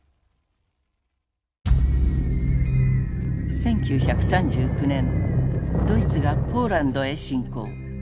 １９３９年ドイツがポーランドへ侵攻。